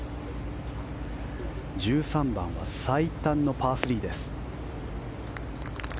１３番は最短のパー３です。